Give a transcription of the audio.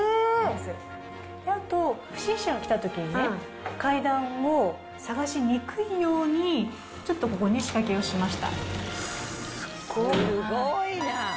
あと、不審者が来たときに階段を探しにくいように、ちょっとここに仕掛すごっ。